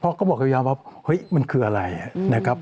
เพราะก็บอกกับวิญญาณว่าเฮ้ยมันคืออะไรนะครับ